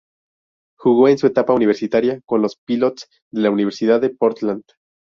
Jugó en su etapa universitaria con los Pilots de la Universidad de Portland.